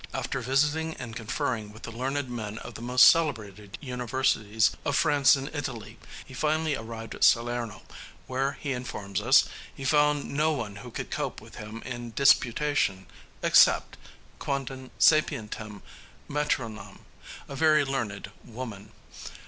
After visiting and conferring with the learned men of the most celebrated universities of France and Italy, he finally arrived at Salerno, where, he informs us, he found no one who could cope with him in disputation except quandam sapientem matronam a certain very learned woman.